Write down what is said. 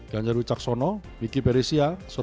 ganjarwi caksono miki beresia surabaya jawa timur